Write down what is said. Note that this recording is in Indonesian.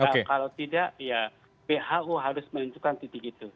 kalau tidak ya who harus menentukan titik itu